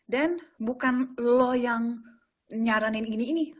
dan bukan lo yang nyaranin gini gini